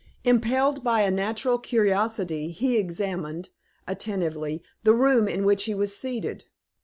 Impelled by a natural curiosity he examined, attentively, the room in which he was seated.